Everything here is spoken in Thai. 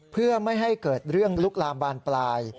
เพื่อไม่ให้เกิดเรื่องลุกลามบานปลาย